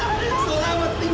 kenapa banyak uang